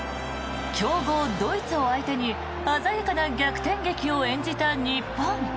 強豪ドイツを相手に鮮やかな逆転劇を演じた日本。